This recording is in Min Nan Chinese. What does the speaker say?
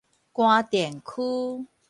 官田區